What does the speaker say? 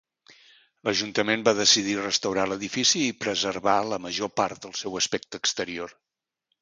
L'ajuntament va decidir restaurar l'edifici i preservar la major part del seu aspecte exterior.